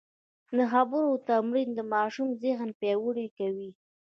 د خبرو تمرین د ماشوم ذهن پیاوړی کوي.